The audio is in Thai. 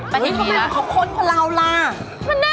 ไปที่นี่แล้วอุ๊ยทำไมเขาค้นเราล่ะ